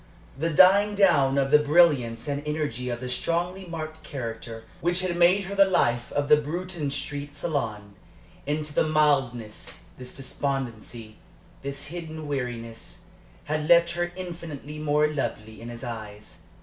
The dying down of the brilliance and energy of the strongly marked character, which had made her the life of the Bruton Street salon, into this mildness, this despondency, this hidden weariness, had left her infinitely more lovely in his eyes.